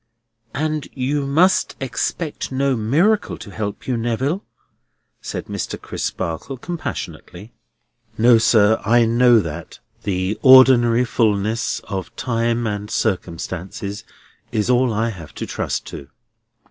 "And you must expect no miracle to help you, Neville," said Mr. Crisparkle, compassionately. "No, sir, I know that. The ordinary fulness of time and circumstances is all I have to trust to."